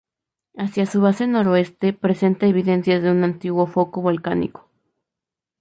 Hacia su base noroeste presenta evidencias de un antiguo foco volcánico.